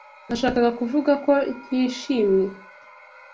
Nashakaga kuvuga ko nkishimwe.